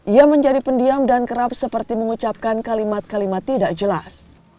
ia menjadi pendiam dan kerap seperti mengucapkan kalimat kalimat tidak jelas